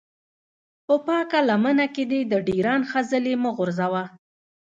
په پاکه لمن کې دې د ډېران خځلې مه غورځوه.